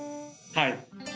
はい。